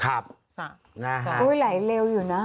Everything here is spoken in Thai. โอ้ยไหลเร็วอยู่นะ